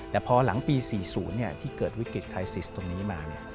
แต่พอหลังปี๔๐ที่เกิดวิกฤตคลายซิสตรงนี้มา